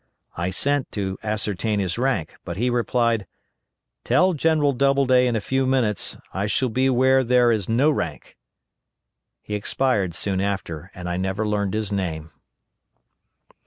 I sent to ascertain his rank, but he replied: "Tell General Doubleday in a few minutes I shall be where there is no rank." He expired soon after, and I never learned his name.